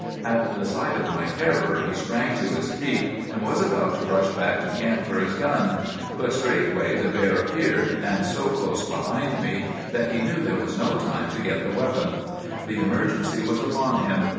"At the sight of my terror he sprang to his feet, and was about to rush back to camp for his gun; but straightway the bear appeared, and so close behind me that he knew there was no time to get the weapon. The emergency was upon him.